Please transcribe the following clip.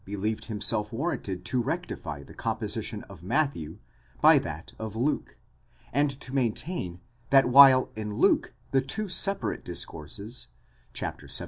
® believed himself war ranted to rectify the composition of Matthew by that of Luke, and to maintain that while in Luke the two separate discourses, xvii.